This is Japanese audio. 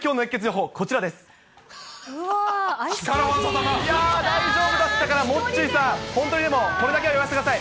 うわー、大丈夫だったかな、モッチーさん、本当にでも、これだけは言わせてください。